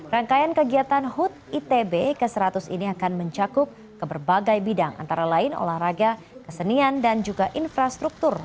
rangkaian kegiatan hut itb ke seratus ini akan mencakup ke berbagai bidang antara lain olahraga kesenian dan juga infrastruktur